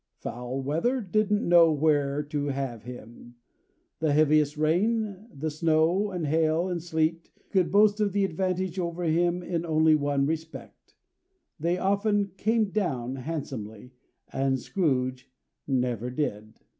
Foul weather didn't know where to have him. The heaviest rain, and snow, and hail, and sleet, could boast of the advantage over him in only one respect. They often "came down" handsomely, and Scrooge never did.